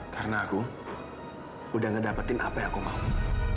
karena aku udah ngedapetin apa yang aku mau